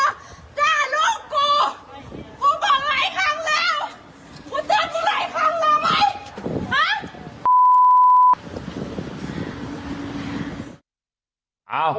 คุณเจอที่หลายครั้งแล้วไหมฮะ